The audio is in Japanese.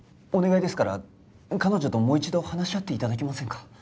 お願いですから彼女ともう一度話し合って頂けませんか？